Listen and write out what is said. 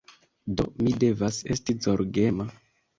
Do, mi devas esti zorgema